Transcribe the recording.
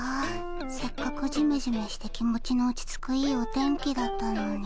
せっかくジメジメして気持ちの落ち着くいいお天気だったのに。